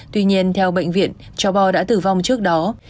tuy nhiên theo bệnh viện cháu bo đã tử vong trước đó